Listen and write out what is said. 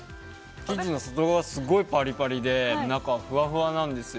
生地の外側がパリパリで中はふわふわなんですよ。